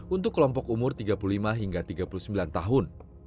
untuk kelompok umur tiga puluh lima hingga tiga puluh sembilan tahun